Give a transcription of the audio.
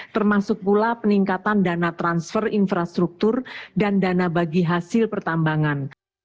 termasuk pula peningkatan dana transfer infrastruktur dan dana bagi hasil pertambangan